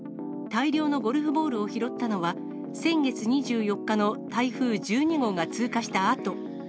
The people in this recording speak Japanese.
大量のゴルフボールを拾ったのは、先月２４日の台風１２号が通過したあと。